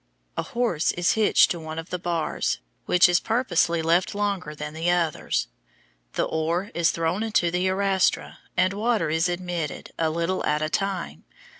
A horse is hitched to one of the bars, which is purposely left longer than the others. The ore is thrown into the arastra, and water is admitted, a little at a time.